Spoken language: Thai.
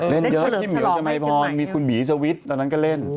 เล่นเยอะพี่เหมียวชมัยพรมีคุณบีสวิทย์ตอนนั้นก็เล่น